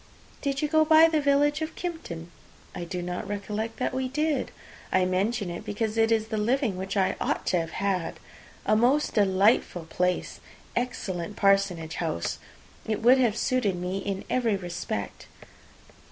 "Did you go by the village of Kympton?" "I do not recollect that we did." "I mention it because it is the living which I ought to have had. A most delightful place! Excellent parsonage house! It would have suited me in every respect."